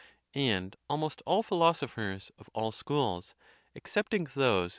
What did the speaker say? .And almost all philosophers, of all schools, excepting those who are warp